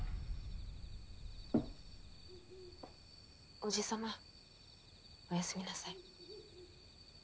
おじ様おやすみなさい。